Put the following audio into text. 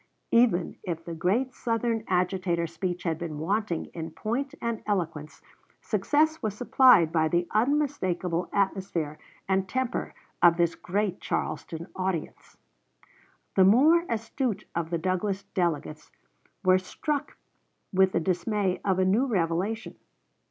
Even if the great Southern agitator's speech had been wanting in point and eloquence, success was supplied by the unmistakable atmosphere and temper of this great Charleston audience. The more astute of the Douglas delegates were struck with the dismay of a new revelation.